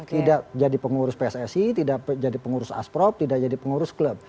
tidak jadi pengurus pssi tidak jadi pengurus asprop tidak jadi pengurus klub